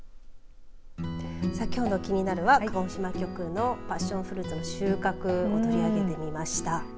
さあ、きょうのキニナル！は鹿児島局のパッションフルーツの収穫を取り上げてみました。